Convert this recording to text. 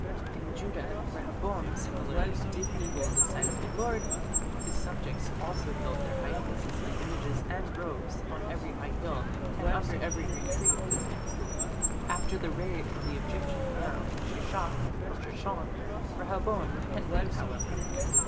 " In Judah Rehoboam similarly "did evil in the sight of the Lord"; his subjects "also built them high places and images and groves, on every high hill, and under every green tree". After the raid of the Egyptian Pharaoh Shishak (Sheshonk) Rehoboam repented, however.